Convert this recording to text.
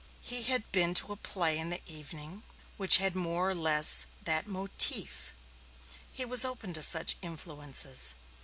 He had been to a play in the evening which had more or less that motif; he was open to such influences.